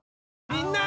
みんな！